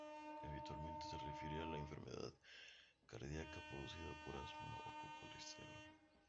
Habitualmente se refiere a la enfermedad cardíaca producida por asma o por colesterol.